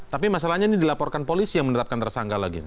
tapi masalahnya ini dilaporkan polisi yang menetapkan tersangka lagi